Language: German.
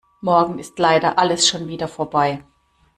Morgen ist leider alles schon wieder vorbei.